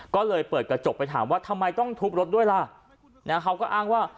ก็เลยเปิดกระจกไปถามว่าทำไมต้องทุบรถด้วยล่ะเขาก็อ้างว่า